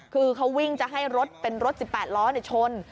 คือเขาวิ่งจะให้รถเป็นรถ๑๘ล้อชน